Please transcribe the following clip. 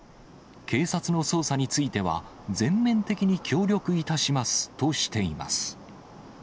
警察の捜査については、全面的に協力いたしますとしています。